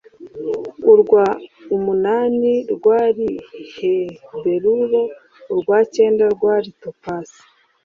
urwa umunani rwari berulo urwa cyenda rwari topazi